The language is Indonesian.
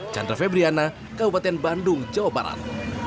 chandra febriana kabupaten bandung jawa barat